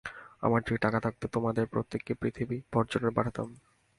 আমার যদি টাকা থাকিত, তোমাদের প্রত্যেককেই পৃথিবী-পর্যটনে পাঠাতাম।